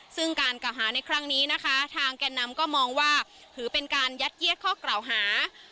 ซึ่งการกล่าวหาในครั้งนี้นะคะทางแก่นำก็มองว่าถือเป็นการยัดเยียดข้อกล่าวหา